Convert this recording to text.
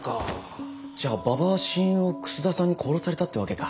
じゃあ馬場は親友を楠田さんに殺されたってわけか。